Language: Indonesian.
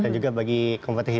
juga bagi kompetisi